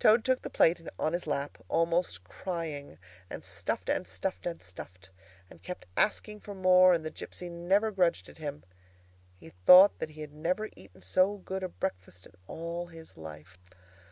Toad took the plate on his lap, almost crying, and stuffed, and stuffed, and stuffed, and kept asking for more, and the gipsy never grudged it him. He thought that he had never eaten so good a breakfast in all his life.